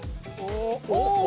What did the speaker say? お！